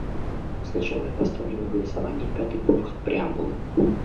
Сначала я поставлю на голосование пятый пункт преамбулы.